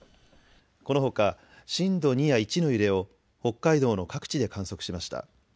このほか震度２や１の揺れを北海道の各地で観測しました。